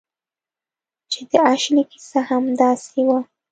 چې د اشلي کیسه هم همداسې وه